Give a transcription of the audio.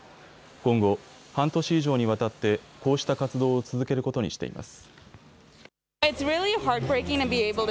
今後、半年以上にわたってこうした活動を続けることにしています。